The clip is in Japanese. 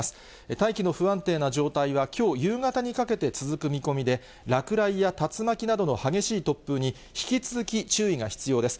大気の不安定な状態は、きょう夕方にかけて続く見込みで、落雷や竜巻などの激しい突風に引き続き注意が必要です。